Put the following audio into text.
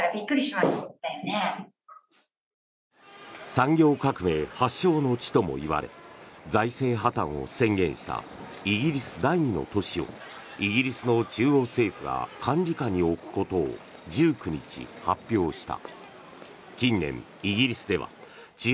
産業革命発祥の地ともいわれ財政破たんを宣言したイギリス第２の都市をイギリスの中央政府が管理下に置くことを１９日発表した。